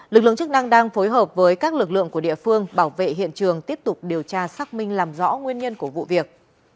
lực lượng chức năng đang phối hợp với các lực lượng của địa phương bảo vệ hiện trường tiếp tục điều tra xác minh làm rõ nguyên nhân của vụ việc